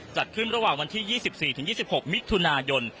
จัดขึ้นระหว่างวันที่๒๔๒๖มิถุนายน